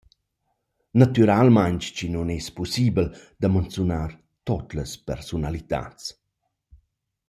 Natüralmaing chi nun es pussibel da manzunar tuot las persunalitats.